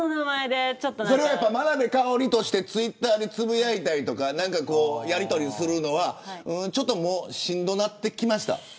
それは眞鍋かをりとしてツイッターでつぶやいたりとかやりとりするのはしんどなってきました。